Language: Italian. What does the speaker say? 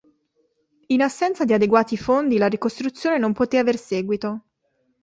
In assenza di adeguati fondi la ricostruzione non poté aver seguito.